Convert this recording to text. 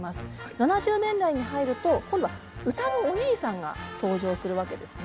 ７０年代に入ると今度は歌のお兄さんが登場するわけですね。